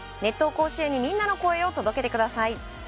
甲子園にみんなの声を届けてください。